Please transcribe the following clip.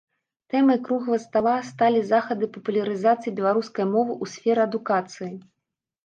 Тэмай круглага стала сталі захады папулярызацыі беларускай мовы ў сферы адукацыі.